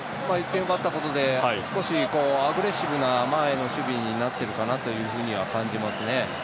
１点奪ったことで少しアグレッシブな前への守備になってるかなとは感じますね。